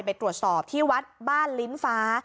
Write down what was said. ไปตรวจสอบที่วัดบ้านลิ้นฟ้า